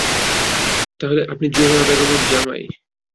তাহলে আপনি জোহরা বেগমের জামাই?